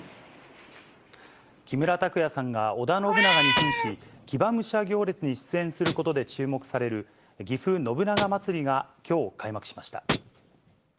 木村拓哉さんが織田信長にふんし、騎馬武者行列に出演することで注目される、ぎふ信長まつりがきょう開幕しました。